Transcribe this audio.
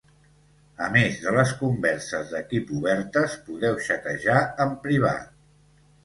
A més de les converses d'equip obertes, podeu xatejar en privat